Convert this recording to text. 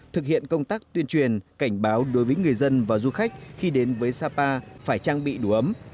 thực hiện công tác tuyên truyền cảnh báo đối với người dân và du khách khi đến với sapa phải trang bị đủ ấm